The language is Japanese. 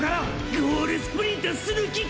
ゴールスプリントする気か！！